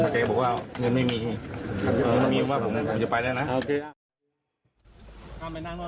เพื่อนเดิมบอกว่าเงินไม่มีเค้าก็บอกว่าจะไปด้วยนะ